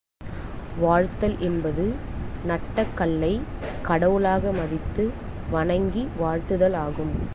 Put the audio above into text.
வாழ்த்தல் என்பது, நட்ட கல்லைக் கடவுளாக மதித்து வணங்கி வாழ்த்துதல் ஆகும்.